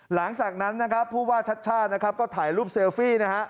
หลังจากนั้นพูดว่าชชานะครับก็ถ่ายรูปเซลฟี้